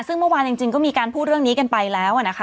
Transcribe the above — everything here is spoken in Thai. ซึ่งเมื่อวานจริงก็มีการพูดเรื่องนี้กันไปแล้วนะคะ